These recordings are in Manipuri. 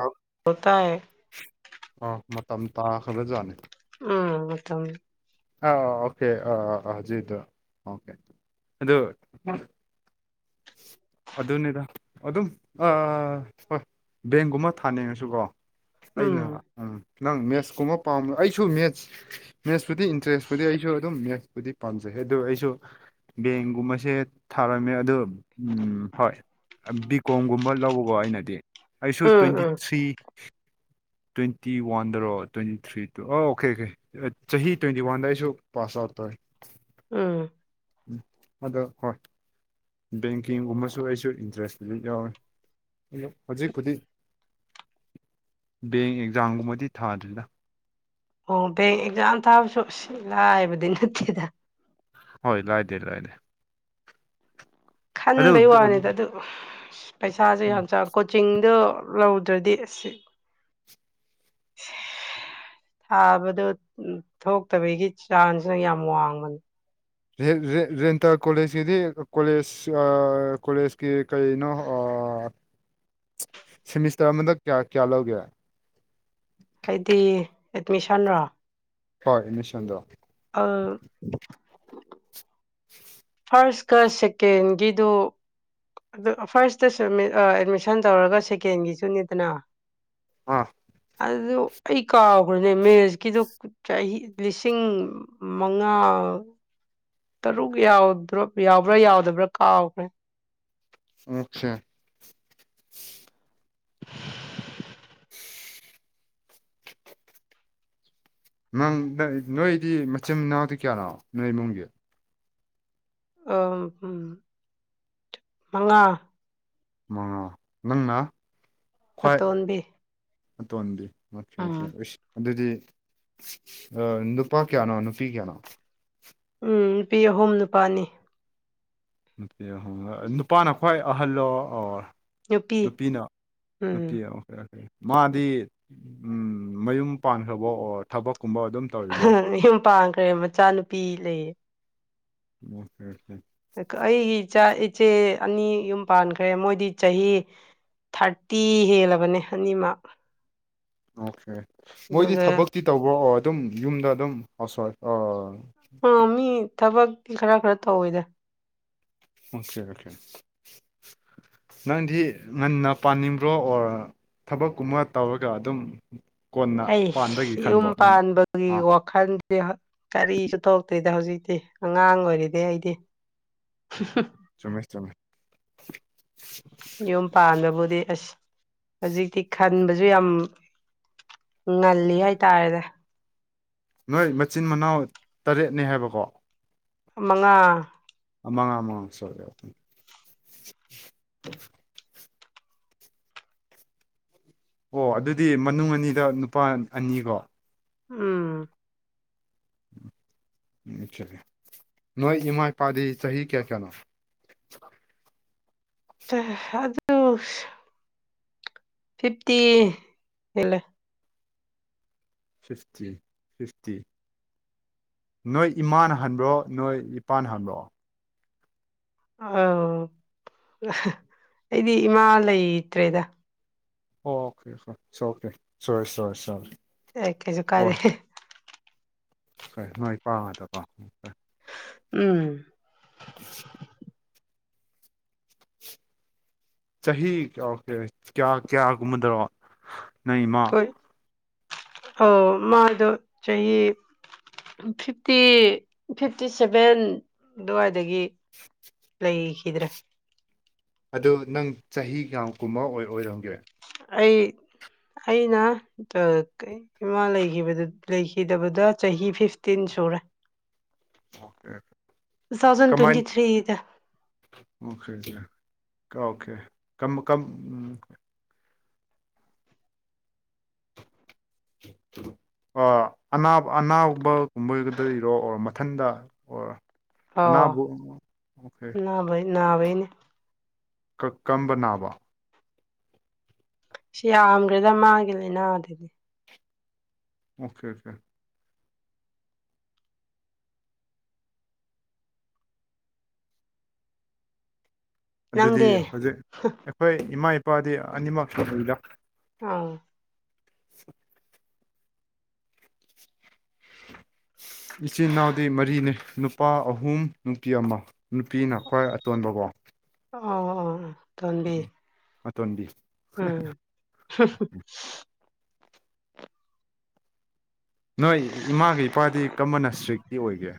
ꯑ [unintelligible] ꯇꯥꯏꯌꯦ ꯑ ꯃꯇꯝ ꯇꯥꯈ꯭ꯔꯕꯖꯥꯅꯤ ꯎꯝ ꯃꯇꯝ ꯑ ꯑꯣꯀꯦ ꯑ ꯍꯧꯖꯤꯛ ꯀꯤꯗꯨ ꯑꯣꯀꯦ ꯑꯗꯨ ꯑꯗꯨꯅꯤꯗꯥ ꯑꯗꯨꯝ ꯑꯥ ꯍꯣꯏ ꯕꯦꯡꯒꯨꯝꯕ ꯊꯥꯅꯤꯡꯉꯁꯨꯀꯣ ꯑꯩꯅ ꯎꯝ ꯅꯪ ꯃꯦꯠꯁ ꯀꯨꯝꯕ ꯄꯥꯝꯃ ꯑꯩꯁꯨ ꯃꯦꯠꯁ ꯃꯦꯠꯁꯄꯨꯗꯤ ꯏꯟꯇꯔꯦꯁꯄꯨꯗꯤ ꯑꯩꯁꯨ ꯑꯗꯨꯝ ꯃꯦꯠꯁꯄꯨꯗꯤ ꯄꯥꯝꯖꯩ ꯑꯗꯨ ꯑꯩꯁꯨ ꯕꯦꯡꯒꯨꯝꯕꯁꯦ ꯊꯥꯔꯝꯃꯦ ꯑꯗꯨ ꯎꯝ ꯍꯣꯏ ꯕꯤ ꯀꯣꯝꯒꯨꯝꯕ ꯂꯧꯕꯀꯣ ꯑꯩꯅꯗꯤ ꯑꯩꯁꯨ um twenty um three twenty ꯋꯥꯟꯗꯔꯣ ꯇ꯭ꯋꯦꯟꯇꯤ ꯊ꯭ꯔꯤ ꯗꯔꯣ ꯑꯣ ꯑꯣꯀꯦ ꯑꯣꯀꯦ ꯆꯍꯤ ꯇ꯭ꯋꯦꯟꯇꯤ ꯋꯥꯟꯗ ꯑꯩꯁꯨ ꯄꯥꯁ ꯑꯥꯎꯠ ꯇꯧꯢ ꯎꯝ ꯎꯝ ꯑꯗꯣ ꯍꯣꯏ ꯕꯦꯡꯀꯤꯡꯒꯨꯝꯕꯁꯨ ꯑꯩꯁꯨ ꯏꯟꯇꯔꯦꯁꯇꯄꯨꯗꯤ ꯌꯥꯎꯋꯤ ꯑꯗꯣ ꯍꯧꯖꯤꯛꯄꯨꯗꯤ ꯕꯦꯡ ꯑꯦꯛꯖꯥꯝꯒꯨꯝꯕꯗꯤ ꯊꯥꯗ꯭ꯔꯤꯗ ꯑꯣ ꯕꯦꯡ ꯑꯦꯛꯖꯥꯝ ꯊꯥꯕꯁꯨ ꯁꯤ ꯂꯥꯏꯕꯗꯤ ꯅꯠꯇꯦꯗ ꯍꯣꯏ ꯂꯥꯏꯗꯦ ꯂꯥꯏꯗꯦ ꯑꯗꯨ ꯈꯟꯕꯩ ꯋꯥꯅꯤꯗ ꯎꯝ ꯑꯗꯨ ꯄꯩꯁꯥꯁꯨ ꯌꯥꯝ ꯆꯥꯎ ꯀꯨꯠ ꯆꯤꯡꯗꯣ ꯂꯧꯗ꯭ꯔꯗꯤ ꯑꯁꯤ ꯐꯕꯗꯣ ꯎꯝ ꯊꯣꯛꯇꯕꯒꯤ ꯆꯥꯡꯁꯤꯅ ꯌꯥꯝ ꯋꯥꯡꯕꯅꯤ ꯔꯦꯟ ꯔꯦꯟ ꯔꯦꯟꯇꯔ ꯀꯣꯂꯦꯖꯀꯤꯗꯤ ꯀꯣꯂꯦꯖ ꯑꯥ ꯀꯣꯂꯦꯖꯀꯤ ꯀꯔꯤꯅꯣ ꯑ ꯁꯦꯃꯤ꯭ꯁꯇ꯭ꯔ ꯑꯃꯗ ꯀꯌꯥ ꯀꯌꯥ ꯂꯧꯒꯦ ꯍꯥꯏꯗꯤ ꯑꯦꯠꯃꯤꯁꯟꯔꯣ ꯍꯣꯏ ꯑꯦꯠꯃꯤꯁꯟꯗꯣ ꯑ [unintelligible] ꯐꯥꯔ꯭ꯁꯀ ꯁꯦꯀꯦꯟꯒꯤꯗꯨ ꯑꯗꯨ ꯐꯥꯔꯁꯇꯁꯨ ꯑꯦꯃꯤ ꯑꯦꯠꯃꯤꯁꯟ ꯇꯧꯔꯒ ꯁꯦꯀꯦꯟꯒꯤꯁꯨꯅꯤꯗꯅ ꯑꯥ ꯑꯗꯨ ꯑꯩ ꯀꯥꯎꯒꯔ꯭ꯦꯅꯦ ꯃꯦꯁꯀꯤꯗꯨ ꯆꯍꯤ ꯂꯤꯁꯤꯡ ꯃꯪꯉꯥ ꯇꯔꯨꯛ ꯌꯥꯎꯗꯔ‌‌ꯣꯕ ꯌꯥꯎꯕ꯭ꯔꯥ ꯌꯥꯎꯗꯕ꯭ꯔꯥ ꯀꯥꯎꯈꯔꯦ ꯑ‌ꯣꯈ‌ꯦ [unintelligible] ꯃꯪꯗ ꯅꯣꯏꯗꯤ ꯃꯆꯤꯟ ꯃꯅꯥꯎꯗꯤ ꯀꯌꯥꯅꯣ ꯅꯣꯏ ꯏꯃꯨꯡꯒꯤ [unintelligible] ꯃꯉꯥ ꯃꯉꯥ ꯅꯪꯅ ꯈ꯭ꯋꯥꯏ ꯑꯇꯣꯟꯕꯤ ꯑꯇꯣꯟꯕꯤ ꯃ‌ꯣꯠꯈ‌ꯦ ꯎꯝ ꯑ‌ꯣꯀ‌ꯦ ꯏꯁ ꯑꯗꯨꯗꯤ ꯑꯥ ꯅꯨꯄꯥ ꯀꯌꯥꯅꯣ ꯅꯨꯄꯤ ꯀꯌꯥꯅꯣ ꯎꯝ ꯅꯨꯄꯤ ꯑꯍꯨꯝ ꯅꯨꯄꯥ ꯑꯅꯤ ꯅꯨꯄꯤ ꯑꯍꯨꯝꯒ ꯅꯨꯄꯥꯅ ꯈ꯭ꯋꯥꯏ ꯑꯍꯜꯂꯣ ꯑꯣ ꯅꯨꯄꯤ ꯅꯨꯄꯤꯅ ꯎꯝ ꯅꯨꯄꯤ ꯑ‌ꯣꯀꯦ ꯑꯣꯀꯦ ꯃꯥꯗꯤ ꯎꯝ ꯃꯌꯨꯝ ꯄꯥꯟꯈ꯭ꯔꯕ‌ꯣ ꯑꯣꯔ ꯊꯕꯛꯀꯨꯝꯕ ꯑꯗꯨꯝ ꯇꯧꯔꯤꯕꯣ ꯃꯌꯨꯝ ꯄꯥꯡꯈ꯭ꯔꯦ ꯃꯆꯥ ꯅꯨꯄꯤ ꯂꯩ ꯑꯣꯀꯦ ꯑꯣꯀꯦ ꯑꯩ ꯀ ꯑꯩꯒꯤ ꯏꯆꯥ ꯏꯆꯦ ꯑꯅꯤ ꯌꯨꯝ ꯄꯥꯟꯈ꯭ꯔꯦ ꯃꯣꯏꯗꯤ ꯆꯍꯤ ꯊꯥꯔꯇꯤ ꯍꯦꯜꯂꯕꯅꯦ ꯑꯅꯤꯃꯛ ꯑꯣꯈ‌ꯦ ꯃꯣꯏꯗꯤ ꯑꯗꯨꯒ ꯊꯕꯛꯇꯤ ꯇꯧꯕ꯭ꯔꯣ ꯑꯣ ꯑꯗꯨꯝ ꯌꯨꯝꯗ ꯑꯗꯨꯝ ꯍꯥꯎꯁ ꯋꯥꯏꯐ ꯑꯣ ꯑꯣ ꯃꯤ ꯊꯕꯛꯇꯤ ꯈꯔ ꯈꯔ ꯇꯧꯋꯤꯗ ꯑꯣꯈ‌ꯦ ꯑꯣꯈ‌ꯦ ꯅꯪꯗꯤ ꯉꯟꯅ ꯄꯥꯅꯤꯡꯕ꯭ꯔꯣ ꯑꯣꯔ ꯊꯕꯛꯀꯨꯝꯕ ꯇꯧꯔꯒ ꯑꯗꯨꯝ ꯀꯣꯟꯅ ꯄꯥꯟꯕꯒꯤ ꯍꯩꯁ ꯌꯨꯝ ꯈꯟꯕ꯭ꯔꯣ ꯅꯪ ꯄꯥꯟꯕ ꯒꯤ ꯑꯥ ꯋꯥꯈꯟꯖ‌ꯦ ꯍ ꯀꯔꯤꯁꯨ ꯊ‌ꯣꯛꯇꯦꯗ ꯍꯧꯖꯤꯛꯇꯤ ꯑꯉꯥꯡ ꯑꯣꯏꯔꯤꯗ‌ꯦ ꯑꯩꯗꯤ [unintelligible] ꯆꯨꯝꯃꯦ ꯆꯨꯝꯃꯦ ꯌꯨꯝ ꯄꯥꯟꯕꯕꯨꯗꯤ ꯑꯁ ꯍꯖꯤꯛꯇꯤ ꯈꯟꯕꯖꯨ ꯌꯝ ꯉꯜꯂꯤ ꯍꯥꯏꯇꯥꯔꯦꯅꯦ ꯅꯣꯏ ꯃꯆꯤꯟ ꯃꯅꯥꯎ ꯇꯔꯦꯠꯅꯦ ꯍꯥꯏꯕꯀꯣ ꯃꯉꯥ ꯑꯥ ꯃꯪꯉꯥ ꯃꯥꯡ ꯁꯣꯏꯔ‌ꯦ ꯎꯝ ꯑꯣ ꯑꯗꯨꯗꯤ ꯃꯅꯨꯡ ꯑꯅꯤꯗ ꯅꯨꯄꯥ ꯑꯟ ꯑꯅꯤꯀꯣ ꯎꯝ [unintelligible] ꯅꯣꯏ ꯏꯃꯥ ꯏꯄꯥꯗꯤ ꯆꯍꯤ ꯀꯤꯌꯥ ꯀꯌꯥꯅꯣ ꯆꯂꯍ‌ꯦ ꯑꯗꯨꯁ ꯐꯤꯄꯇꯤ ꯍ‌ꯦꯜꯂ‌ꯦ ꯐꯤꯐꯇꯤ ꯐꯤꯐꯇꯤ ꯅꯣꯏ ꯏꯃꯥꯅ ꯍꯟꯕ꯭ꯔꯣ ꯅꯣꯏ ꯏꯄꯥꯅ ꯍꯟꯕ꯭ꯔꯣ ꯑꯧ ꯑꯩꯗꯤ ꯏꯃꯥ ꯂꯩꯇ꯭ꯔꯦꯗ ꯑꯣꯈ‌ꯦ ꯑ‌ꯣꯈ‌ꯦ ꯏꯁꯑꯣꯈ‌ꯦ ꯁ‌ꯣꯔꯤ ꯁ‌ꯣꯔꯤ ꯁ‌ꯣꯔ ꯑꯦ ꯀꯩꯁꯨꯨ ꯀꯥꯏꯗ‌ꯦ ꯍꯣꯏ ꯅꯣꯏ ꯄꯥ ꯑꯗꯥꯀ‌ꯣ [unintelligible] ꯎꯝ [unintelligible] [unintelligible] ꯆꯍꯤ ꯀꯌꯥ ꯀ‌ꯦ ꯀꯌꯥ ꯀꯌꯥ ꯒꯨꯝꯕꯗ‌ ꯅꯪ ꯏꯃꯥ ꯑꯣ ꯃꯥꯗꯣ ꯆꯍꯤ ꯐꯤꯐꯇꯤ ꯐꯤꯐꯇꯤ ꯁꯦꯚꯦꯟ ꯑꯗꯨꯋꯥꯏꯗꯒꯤ ꯂꯩꯈꯤꯗ꯭ꯔꯦ ꯑꯗꯣ ꯅꯪ ꯆꯍꯤ ꯀꯌꯥꯃꯨꯛꯀꯨꯝꯕꯥ ꯑꯣꯏ ꯑꯣꯏꯔꯝꯒꯦ ꯑꯩ ꯑꯩꯅꯥ ꯏꯃꯥ ꯂꯩꯈꯤꯕꯥ ꯂꯩꯈꯤꯗꯕꯗꯥ ꯆꯍꯤ ꯐꯤꯐꯇꯤꯟ ꯁꯨꯔꯦ [inaudible] ꯇꯨ ꯊꯥꯎꯖꯟ ꯇ꯭ꯋꯦꯟꯇꯤ ꯀꯃꯥꯏꯅ ꯊ꯭ꯔꯤꯒꯤꯗ ꯑꯣꯀꯦ ꯗꯤꯌ꯭ꯔ ꯀꯥꯎꯀꯦ ꯀꯝ ꯀꯝ ꯎꯝ [unintelligible] ꯑꯣ ꯑꯅꯥꯕ ꯑꯅꯥꯕꯒꯨꯝꯕ ꯒꯨꯝꯕꯒꯥꯗꯩꯩꯔꯣ ꯑꯣꯔ ꯃꯊꯟꯇ ꯑꯣꯔ ꯑꯅꯥꯕꯨ ꯑꯣꯛ ꯀꯦ ꯅꯥꯕꯩꯅꯤ ꯀ ꯀꯝꯕ ꯅꯥꯕ ꯁꯤ ꯌꯥꯝꯒ꯭ꯔꯦꯗ ꯃꯥꯒꯤ ꯂꯩꯅꯥ ꯑꯗꯨꯗꯤ ꯑꯣꯀꯦ ꯑꯣꯀꯦ ꯑꯗꯨꯗꯤ ꯅꯪꯗꯤ ꯍꯧꯖꯤꯛ ꯑꯩꯈꯣꯏ ꯏꯃꯥ ꯏꯄꯥꯗꯤ ꯑꯅꯤꯃꯛ ꯁꯨꯅꯥ ꯂꯩꯗ ꯑꯥꯎ [inaudible] ꯏꯆꯤꯟ ꯏꯅꯥꯎꯗꯤ ꯃꯔꯤꯅꯦ ꯅꯨꯄꯥ ꯑꯍꯨꯝ ꯅꯨꯄꯤ ꯑꯃ ꯅꯨꯄꯤꯅ ꯈ꯭ꯋꯥꯏ ꯑꯇꯣꯟꯕꯀꯣ ꯑꯣ ꯑꯣ ꯑꯥꯇꯣꯟꯕꯤ ꯑꯇꯣꯟꯕꯤ ꯎꯝ ꯅꯣꯏ ꯏꯃꯥꯒ ꯏꯄꯥꯗꯤ ꯀꯔꯝꯕꯥꯅ ꯏꯁꯇ꯭ꯔꯤꯛꯇꯤ ꯑꯣꯏꯒꯦ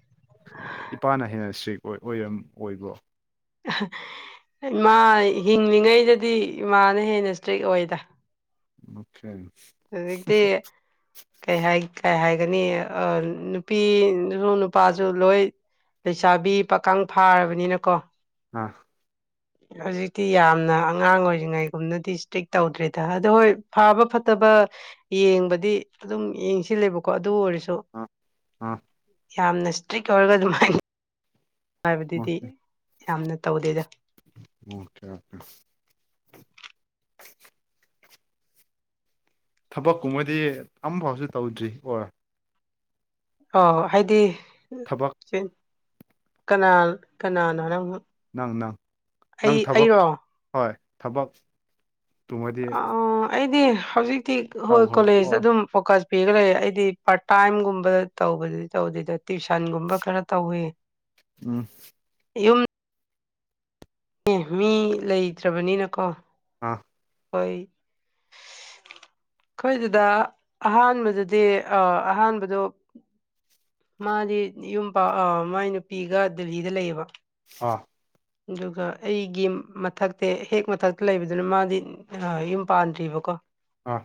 ꯏꯄꯥꯅ ꯍꯦꯟꯅ ꯏꯁꯇ꯭ꯔꯤꯛ ꯑꯣꯏ ꯑꯣꯏꯔꯝ ꯑꯣꯏꯕ꯭ꯔꯣ ꯏꯃꯥ ꯍꯤꯡꯂꯤꯉꯩꯗꯗꯤ ꯏꯃꯥꯅ ꯍꯦꯟꯅ ꯏꯁꯇ꯭ꯔꯤꯛ ꯑꯣꯏꯗ ꯑꯣꯀꯦ ꯍꯧꯖꯤꯛꯇꯤ ꯀꯩ ꯍꯥꯏ ꯀꯩ ꯍꯥꯏꯒꯅꯤ ꯅꯨꯄꯤꯁꯨ ꯅꯨꯄꯥꯁꯨ ꯂꯣꯏ ꯂꯩꯩꯁꯥꯕꯤ ꯄꯥꯈꯪ ꯐꯥꯔꯕꯅꯤꯅꯀꯣ ꯑꯥ ꯍꯧꯖꯤꯛꯇꯤ ꯌꯥꯝꯅ ꯑꯉꯥꯡ ꯑꯣꯏꯔꯤꯉꯩꯒꯨꯝꯅꯗꯤ ꯏꯁꯇ꯭ꯔꯤꯛ ꯇꯧꯗ꯭ꯔꯦꯗ ꯑꯗꯨꯣ ꯍꯣꯏ ꯐꯕ ꯐ ꯐꯠꯇꯕ ꯌꯦꯡꯕꯗꯤ ꯑꯗꯨꯝ ꯌꯦꯡꯁꯤꯂꯦꯕꯀꯣ ꯑꯗꯨ ꯑꯣꯏꯔꯁꯨ ꯑꯥ ꯑꯥ ꯌꯥꯝꯅ ꯏꯁꯇ꯭ꯔꯤꯛ ꯑꯣꯏꯔꯒ ꯑꯗꯨꯃꯥꯏꯅ ꯍꯥꯏꯕꯗꯨꯗꯤ ꯌꯥꯝꯅ ꯇꯧꯗꯦꯗ ꯑꯣꯀꯦ ꯑꯣꯀꯦ ꯊꯕꯛꯀꯨꯝꯕꯗꯤ ꯑꯃꯝꯐꯥꯎꯁꯨ ꯇꯧꯗ꯭ꯔꯤ ꯑꯣꯔ ꯑꯣ ꯍꯥꯏꯗꯤ ꯊꯕꯛ ꯀꯅꯥ ꯀꯅꯥꯅꯣ ꯅꯪꯕꯣ ꯅꯪ ꯅꯪ ꯅꯪ ꯊꯕꯛ ꯍꯣꯏ ꯊꯕꯛ ꯑꯣ ꯑꯩꯗꯤ ꯍꯧꯖꯤꯛꯇꯤ ꯍꯣꯏ ꯇꯧꯈ꯭ꯔꯕ ꯑꯣ ꯀꯣꯂꯦꯖ ꯑꯗꯨꯝ ꯐꯣꯀꯁ ꯄꯤꯒꯥ ꯂꯩꯔꯦ ꯑꯩꯗꯤ ꯄꯥꯔꯠ ꯇꯥꯏꯝꯒꯨꯝꯕ ꯇꯧꯕꯗꯨ ꯇꯧꯗꯦꯗꯥ ꯇ꯭ꯋꯁꯟꯒꯨꯝꯕ ꯈꯔ ꯇꯧꯋꯤ ꯑꯝ ꯌꯨꯝ ꯑꯦ ꯃꯤ ꯂꯩꯇ꯭ꯔꯕꯅꯤꯅꯥꯀꯣ ꯑꯥ ꯍꯣꯏ ꯑꯩꯈꯣꯏꯗꯨꯗ ꯑꯍꯥꯟꯕꯗꯗꯤ ꯑꯍꯥꯟꯕꯗꯣ ꯃꯥꯗꯤ ꯌꯨꯝ ꯃꯥꯏ ꯅꯨꯄꯤꯒ ꯗꯤꯜꯍꯤꯗ ꯂꯩꯌꯦꯕ ꯑꯥ ꯑꯗꯨꯒ ꯑꯩꯒꯤ ꯃꯊꯛꯇ ꯍꯦꯛ ꯃꯊꯛꯇ ꯂꯩꯕꯗꯨꯅ ꯃꯥꯗꯤ ꯑ ꯌꯨꯝ ꯄꯥꯟꯗ꯭ꯔꯤꯕꯀꯣ ꯑꯥ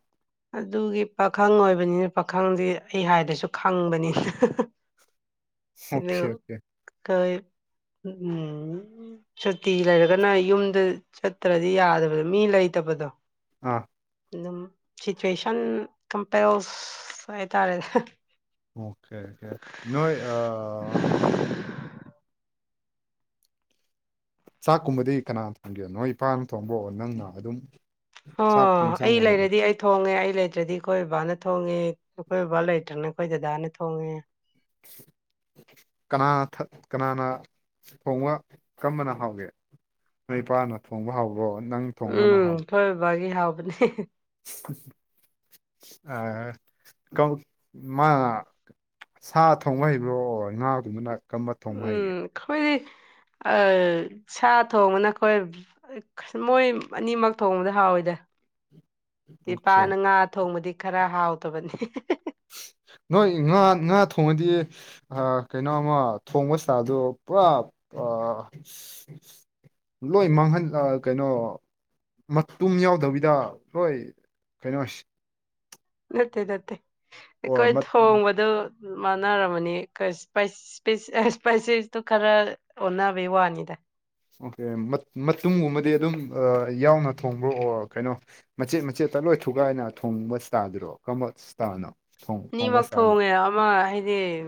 ꯑꯗꯨꯒꯤ ꯄꯥꯈꯪ ꯑꯣꯏꯕꯅꯤꯅ ꯄꯥꯈꯪꯗꯤ ꯑꯩ ꯍꯥꯏꯗꯁꯨ ꯈꯪꯕꯅꯤꯅ [inaudible] [unintelligible] ꯑꯣꯀꯦ ꯩ [unintelligible] ꯁꯨꯇꯤ ꯂꯩꯔꯒꯅ ꯌꯨꯝꯗ ꯆꯠꯇ꯭ꯔꯗꯤ ꯌꯥꯗꯕꯗꯣ ꯃꯤ ꯂꯩꯇꯕꯗꯣ ꯑꯥ ꯑꯗꯨꯝ ꯁꯤꯆꯨꯋꯦꯁꯟ ꯀꯝꯄꯦꯜꯁ ꯍꯥꯏꯇꯥꯔꯦ ꯑꯣꯀꯦ ꯑꯣꯀꯦ ꯅꯣꯏ ꯆꯥꯛꯀꯨꯝꯕꯗꯤ ꯀꯅꯥ ꯊꯣꯡꯒꯦ ꯅꯣꯏ ꯏꯄꯥꯅ ꯊꯣꯡꯕꯑꯣ ꯅꯪꯅ ꯑꯗꯨꯝ ꯆꯥꯛ ꯑꯥ ꯑꯩ ꯌꯦꯟꯁꯥꯡꯒꯨꯝꯕꯗꯤ ꯂꯩꯔꯗꯤ ꯑꯩ ꯊꯣꯡꯉꯦ ꯑꯩ ꯂꯩꯇ꯭ꯔꯗꯤ ꯑꯩꯈꯣꯏ ꯕꯕꯥꯅ ꯊꯣꯡꯉꯦ ꯑꯩꯈꯣꯏ ꯕꯥꯕꯥ ꯂꯩꯇ꯭ꯔꯅ ꯑꯩꯈꯣꯏ ꯗꯗꯥꯅ ꯊꯣꯡꯉꯦ [inaudible] [unintelligible] ꯀꯅꯥꯅ ꯀꯅꯥꯅ ꯊꯣꯡꯕꯅ ꯀꯝꯔꯕꯅ ꯍꯥꯎꯒꯦ ꯅꯣꯏ ꯏꯄꯥꯅ ꯊꯣꯡꯕ ꯍꯥꯎꯕ꯭ꯔꯣ ꯅꯪ ꯊꯣꯡꯕꯅ ꯎꯝ ꯍꯥꯎ ꯑꯈꯣꯏ ꯕꯕꯥꯒꯤ ꯍꯥꯎꯕꯅꯦ [unintelligible] ꯁꯥ ꯊꯣꯡꯕ ꯍꯩꯕ꯭ꯔꯣ ꯉꯥꯒꯨꯝꯕꯅ ꯀꯔꯝꯕ ꯊꯣꯡꯕ ꯍꯩꯒꯦ ꯎꯝ ꯑꯩꯈꯣꯏꯗꯤ ꯑ ꯁꯥ ꯊꯣꯡꯕꯅ ꯑꯩꯈꯣꯏ ꯃꯣꯏ ꯑꯅꯤꯃꯛ ꯊꯣꯡꯕꯗ ꯍꯥꯎꯏꯗ ꯑꯣꯀꯦ ꯏꯄꯥꯅ ꯉꯥ ꯊꯣꯡꯕꯗꯤ ꯈꯔ ꯍꯥꯎꯇꯕꯅꯤ ꯅꯣꯏ ꯉꯥ ꯉꯥ ꯊꯣꯡꯉꯗꯤ ꯀꯩꯅꯣꯃ ꯊꯣꯡꯕ ꯏꯁꯇ꯭ ꯏꯜ ꯗꯨ ꯄꯨꯔꯥ ꯂꯣꯏ ꯃꯥꯡꯍꯟ ꯑ ꯀꯩꯅꯣ ꯃꯇꯨꯝ ꯌꯥꯎꯗꯕꯤꯗ ꯍꯣꯏ ꯀꯩꯅꯣ ꯅꯠꯇꯦ ꯅꯠꯇꯦ ꯑꯣꯔ ꯑꯩꯈꯣꯏ ꯃꯠ ꯊꯣꯡꯕꯗ ꯃꯥꯟꯅꯔꯝꯃꯅꯤ [unintelligible] ꯏꯁꯄꯤꯁ ꯑ ꯏꯁꯄꯥꯏꯁꯦꯁꯇꯣ ꯈꯔ ꯑꯣꯟꯅꯕꯩ ꯋꯥꯅꯤꯗ ꯑꯣꯀꯦ ꯃꯠ ꯃꯇꯨꯝꯒꯨꯝꯕꯗꯤ ꯑꯗꯨꯝ ꯑ ꯌꯥꯎꯅ ꯊꯣꯡꯕ꯭ꯔꯣꯑꯣ ꯀꯩꯅꯣ ꯃꯆꯦꯠ ꯃꯆꯦꯠꯇ ꯂꯣꯏ ꯊꯨꯒꯥꯏꯅ ꯊꯣꯡꯕ ꯏꯁꯇꯥꯏꯟꯗꯨꯔꯣ ꯀꯔꯝꯕ ꯏꯁꯇꯥꯏꯟꯅꯣ ꯑꯅꯤꯃꯛ ꯊꯣꯡꯉꯦ ꯑꯃ ꯍꯥꯏꯗꯤ [inaudible]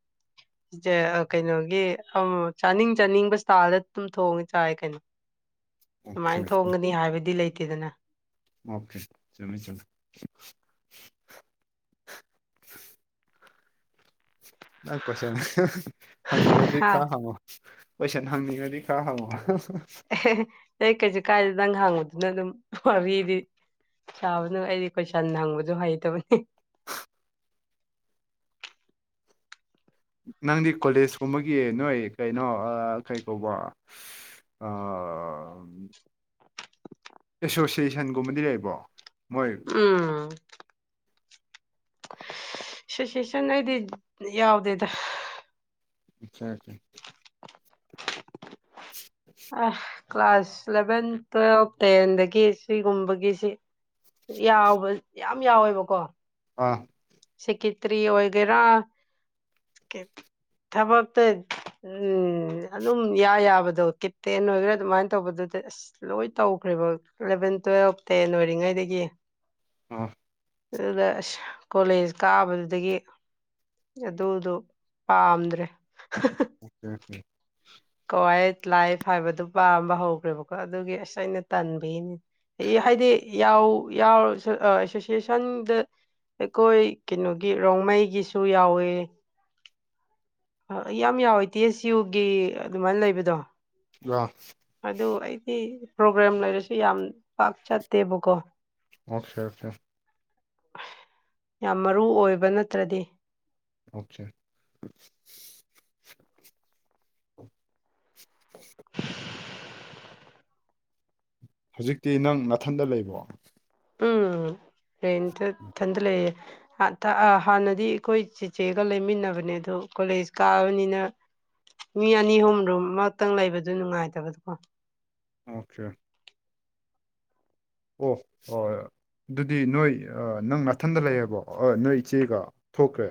[inaudible] ꯑ ꯀꯩꯅꯣꯒꯤ ꯑ ꯆꯥꯅꯤꯡ ꯆꯥꯅꯤꯡꯕ ꯏꯁꯇꯥꯜꯗ ꯑꯗꯨꯝ ꯊꯣꯡꯉꯦ ꯆꯥꯏ ꯀꯩꯅꯣ [inaudible] ꯁꯨꯃꯥꯏꯅ ꯊꯣꯡꯒꯅꯤ ꯍꯥꯏꯕꯗꯤ ꯂꯩꯇꯦꯗꯅ ꯑꯣꯀꯦ ꯆꯨꯝꯃꯦ ꯆꯨꯝꯃꯦ ꯅꯪ ꯀꯣꯏꯁꯟ ꯍꯪꯅꯤꯡꯉꯗꯤ ꯍꯥ ꯈꯔ ꯍꯪꯉꯣ ꯀꯣꯏꯁꯟ ꯍꯪꯅꯤꯡꯉꯗꯤ ꯈꯔ ꯍꯪꯉꯣ ꯑꯦ ꯑꯩ ꯀꯩꯁꯨ ꯀꯥꯏꯗꯦ ꯅꯪ ꯍꯥꯡꯕꯗꯨꯅ ꯑꯗꯨꯝ ꯋꯥꯔꯤꯗꯤ ꯁꯥꯕꯗꯨꯅ ꯑꯩꯗꯤ ꯀꯣꯏꯁꯟ ꯍꯪꯕꯖꯨ ꯍꯩꯇꯕꯅꯤ ꯅꯪꯗꯤ ꯀꯣꯂꯦꯖ ꯀꯨꯝꯕꯒꯤ ꯅꯣꯏ ꯀꯩꯅꯣ ꯑ ꯀꯩ ꯀꯧꯕ ꯑ ꯑꯦꯁꯣꯁꯤꯌꯦꯁꯟ ꯒꯨꯝꯕꯗꯤ ꯂꯩꯕꯣ ꯃꯣꯏ ꯎꯝ ꯑꯦꯁꯣꯁꯤꯌꯦꯁꯟ ꯑꯩꯗꯤ ꯌꯥꯎꯗꯦꯗ ꯑꯠꯆꯥꯆꯥ ꯑ ꯀ꯭ꯂꯥꯁ ꯏꯂꯦꯚꯦꯟ ꯇꯨꯋꯦꯜꯕ ꯇꯦꯟꯗꯒꯤ ꯁꯤꯒꯨꯝꯕꯒꯤꯁꯤ ꯌꯥꯎꯕ ꯌꯥꯝ ꯌꯥꯎꯋꯦꯕꯀꯣ ꯑ ꯁꯦꯀꯤꯇ꯭ꯔꯤ ꯑꯣꯏꯒꯦꯔꯥ ꯊꯕꯛꯇ ꯎꯝ ꯑꯗꯨꯝ ꯏꯌꯥ ꯌꯥꯕꯗꯣ ꯀꯤꯠꯇꯦ ꯑꯣꯏꯒꯦꯔꯥ ꯑꯗꯨꯃꯥꯏꯅ ꯇꯧꯕꯗꯨꯗ ꯑꯁ ꯂꯣꯏ ꯇꯧꯈ꯭ꯔꯦꯕ ꯏꯂꯚꯦꯟ ꯇꯨꯋꯦꯜꯐ ꯇꯦꯟ ꯑꯣꯏꯔꯤꯉꯩꯗꯒꯤ ꯑꯣ ꯑꯗꯨꯗ ꯑꯁ ꯀꯣꯂꯦꯖ ꯀꯥꯕꯗꯨꯗꯒꯤ ꯑꯗꯨꯗꯣ ꯄꯥꯝꯗ꯭ꯔꯦ ꯑꯣꯀꯦ ꯀꯦ ꯀꯋꯥꯏ ꯂꯥꯏꯐ ꯍꯥꯏꯕꯗꯨ ꯄꯥꯝꯕ ꯍꯧꯈ꯭ꯔꯦꯕꯀꯣ ꯑꯗꯨꯒꯤ ꯑꯁ ꯑꯩꯅ ꯇꯟꯕꯒꯤꯅꯤ ꯍꯥꯏꯗꯤ ꯌꯥꯎ ꯌꯥꯎꯔꯁꯨ ꯑ ꯑꯦꯁꯣꯁꯤꯌꯦꯁꯟꯗ ꯑꯩꯈꯣꯏ ꯀꯩꯅꯣꯒꯤ ꯔꯣꯡꯃꯩꯒꯤꯁꯨ ꯌꯥꯎꯋꯦ ꯌꯥꯝ ꯌꯥꯎꯋꯦ ꯇꯦ ꯑꯦꯁ ꯌꯨꯒꯤ ꯑꯗꯨꯃꯥꯏꯟ ꯂꯩꯕꯗꯣ ꯌꯥ ꯑꯗꯨ ꯑꯩꯗꯤ ꯄ꯭ꯔꯣꯕ꯭ꯂꯦꯝ ꯂꯩꯔꯁꯨ ꯌꯥꯝ ꯄꯥꯛ ꯆꯠꯇꯦꯕꯀꯣ ꯑꯣꯀꯦ ꯑꯣꯀꯦ ꯌꯥꯝ ꯃꯔꯨ ꯑꯣꯏꯕ ꯅꯠꯇ꯭ꯔꯗꯤ ꯑꯣꯀꯦ [inaudible] ꯍꯧꯖꯤꯛꯇꯤ ꯅꯪ ꯅꯥꯊꯟꯗ ꯂꯩꯕꯣ ꯎꯝ ꯔꯦꯟꯇ ꯏꯊꯟꯇ ꯂꯩꯌꯦ ꯍꯥꯟꯊ ꯑ ꯍꯥꯟꯅꯗꯤ ꯑꯩꯈꯣꯏ ꯆꯤꯆꯦꯒ ꯂꯩꯃꯤꯟꯅꯕꯅꯦ ꯑꯗꯨ ꯀꯣꯂꯦꯖ ꯀꯥꯕꯅꯤꯅ ꯃꯤ ꯑꯅꯤ ꯑꯍꯨꯝ ꯔꯨꯝ ꯑꯃꯛꯇꯪ ꯂꯩꯕꯗꯨ ꯅꯨꯡꯉꯥꯏꯇꯕꯗꯣ ꯑꯣꯀꯦ ꯑꯣ ꯍꯣꯏꯔ ꯑꯗꯨꯗꯤ ꯅꯣꯏ ꯑ ꯅꯪ ꯅꯥꯊꯟꯗ ꯂꯩꯌꯦꯕꯣ ꯑ ꯅꯣꯏ ꯏꯆꯦꯒ ꯊꯣꯛꯈ꯭ꯔꯦ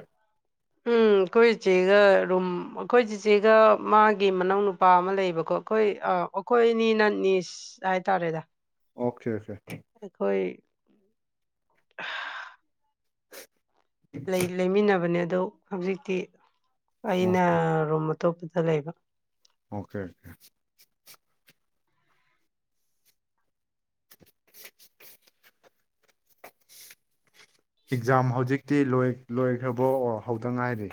ꯑꯈꯣꯏ ꯏꯆꯦꯒ ꯔꯨꯝ ꯑꯈꯣꯏ ꯆꯤꯆꯦꯒ ꯃꯥꯒꯤ ꯃꯅꯥꯎ ꯅꯨꯄꯥ ꯑꯃ ꯂꯩꯌꯦꯕꯀꯣ ꯑꯈꯣꯏ ꯑ ꯑꯈꯣꯏ ꯑꯅꯤꯅ ꯅꯤꯁ ꯍꯥꯏꯇꯥꯔꯦꯗ ꯑꯣꯀꯦ ꯑꯣꯀꯦ ꯑꯈꯣꯏ ꯂꯩ ꯂꯩꯃꯤꯟꯅꯕꯅꯦ ꯑꯗꯣ ꯍꯧꯖꯤꯛꯇꯤ ꯑꯣ ꯑꯩꯅ ꯔꯨꯝ ꯑꯇꯣꯞꯄꯗ ꯂꯩꯕ ꯑꯣꯀꯦ [inaudible] ꯑꯦꯛꯖꯥꯝ ꯍꯧꯖꯤꯛꯇꯤ ꯂꯣꯏ ꯂꯣꯏꯈ꯭ꯔꯕ꯭ꯔꯣ ꯑꯣꯔ ꯍꯧꯗ ꯉꯥꯏꯔꯤ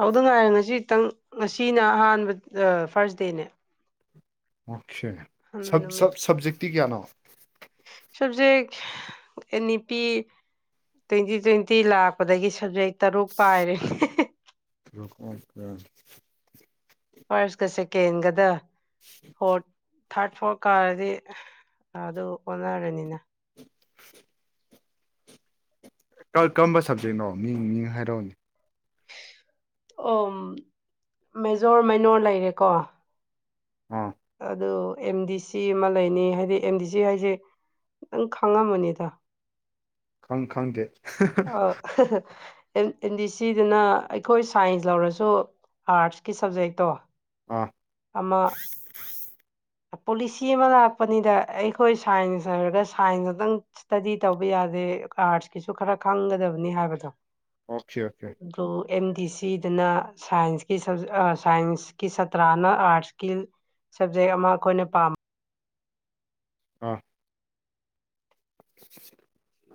ꯍꯧꯗ ꯉꯥꯏꯔꯦ ꯉꯁꯤꯇꯪ ꯉꯁꯤꯅ ꯑꯍꯥꯟꯕ ꯑ ꯐꯥꯔꯁ ꯗꯦꯅꯦ ꯑꯣꯀꯦ ꯑꯍꯥꯟꯕ ꯁꯕ ꯅꯨꯃꯤꯠ ꯁꯕ ꯁꯕꯖꯦꯛꯇꯤ ꯀꯌꯥꯅꯣ subject N E P twenty twenty ꯂꯥꯛꯄꯗꯒꯤ ꯁꯕꯖꯦꯛ ꯇꯔꯨꯛ ꯄꯥꯏꯔꯦ [unintelligible] ꯐꯥꯔꯁꯀ ꯁꯦꯀꯦꯟꯒꯗ ꯐꯣꯔꯠ ꯊꯥꯔꯠ ꯐꯣꯔ ꯀꯥꯔꯗꯤ ꯑꯗꯨ ꯑꯣꯟꯅꯔꯅꯤꯅ [inaudible] ꯀꯝ ꯀꯝꯕ ꯁꯕꯖꯦꯛꯅꯣ ꯃꯤꯡ ꯃꯤꯡ ꯍꯥꯏꯔꯛ ꯑꯣꯅꯦ ꯑꯣ ꯃꯦꯖꯣꯔ ꯃꯩꯅꯣꯔ ꯂꯩꯔꯦꯀꯣ ꯎꯝ ꯑꯗꯨ ꯑꯦꯝ ꯗꯤ ꯁꯤ ꯑꯃ ꯂꯩꯅꯤ ꯍꯥꯏꯗꯤ ꯑꯦꯝ ꯗꯤ ꯁꯤ ꯍꯥꯏꯁꯦ ꯅꯪ ꯈꯪꯉꯝꯃꯅꯤꯗ ꯈꯪ ꯈꯪꯗꯦ ꯑꯣ ꯑꯦꯟ ꯑꯦꯟ ꯗꯤ ꯁꯤ ꯗꯨꯅ ꯑꯩꯈꯣꯏ ꯁꯥꯏꯟꯁ ꯂꯧꯔꯁꯨ ꯑꯥꯔꯠꯁꯀꯤ ꯁꯕꯖꯦꯛꯇꯣ ꯑꯥ ꯑꯃ ꯄꯣꯂꯤꯁꯤ ꯑꯃ ꯂꯥꯛꯄꯅꯤꯗ ꯑꯩꯈꯣꯏ ꯁꯥꯏꯟꯁ ꯍꯥꯏꯔꯒ ꯁꯥꯏꯟ ꯉꯇꯪ ꯢꯁꯇꯗꯤ ꯇꯧꯕ ꯌꯥꯗꯦ ꯑꯥꯔꯠꯁꯀꯤꯁꯨ ꯈꯔ ꯈꯪꯒꯗꯕꯅꯤ ꯍꯥꯏꯕꯗꯣ ꯑꯣꯈꯦ ꯑꯣꯈꯦ ꯑꯣ ꯑꯦꯝ ꯗꯤ ꯁꯤ ꯗꯨꯅꯥ ꯁꯥꯏꯟꯁꯀꯤ ꯑ ꯁꯥꯏꯟꯁꯀꯤ ꯁꯥꯇ꯭ꯔꯥꯅ ꯑꯥꯔꯠꯁꯀꯤ ꯁꯕꯖꯦꯛ ꯑꯃ ꯑꯩꯈꯣꯏꯅ ꯄꯥꯝ ꯑꯥ [inaudible]